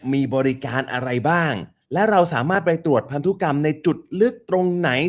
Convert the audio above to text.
มีบริการอะไรบ้างและเราสามารถไปตรวจพันธุกรรมในจุดลึกตรงไหน